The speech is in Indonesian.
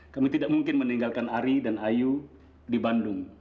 kami tidak mungkin meninggalkan ari dan ayu di bandung